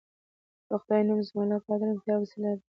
د خدای نوم زما لپاره د ارامتیا وسیله ده